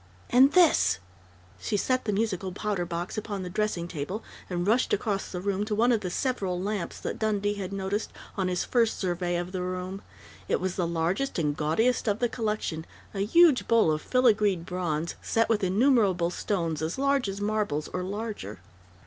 And this!" She set the musical powder box upon the dressing table and rushed across the room to one of the several lamps that Dundee had noticed on his first survey of the room. It was the largest and gaudiest of the collection a huge bowl of filigreed bronze, set with innumerable stones, as large as marbles, or larger.